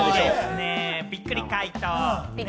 びっくり解答！